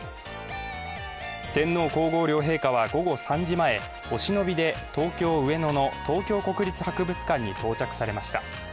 天皇皇后両陛下は午後３時前お忍びで東京・上野の東京国立博物館に到着されました。